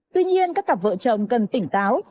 tuy nhiên các cặp vợ chồng cần tỉnh táo